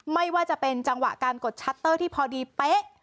ไม่ว่าจะเป็นจังหวะการกดชัตเตอร์ที่พอดีเป๊ะ